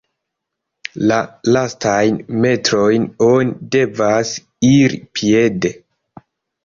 La lastajn metrojn oni devas iri piede.